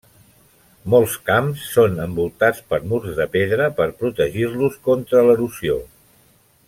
Molts camps són envoltats per murs de pedra per protegir-los contra l'erosió.